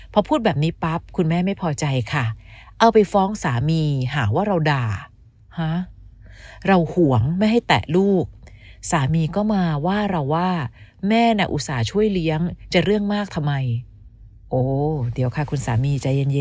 พอพูดแบบนี้ปั๊บคุณแม่ไม่พอใจค่ะเอาไปฟ้องสามีหาว่าเราด่าเราห่วงไม่ให้แตะลูกสามีก็มาว่าเราว่าแม่น่ะอุตส่าห์ช่วยเลี้ยงจะเรื่องมากทำไม